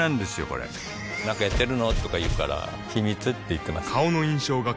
これなんかやってるの？とか言うから秘密って言ってます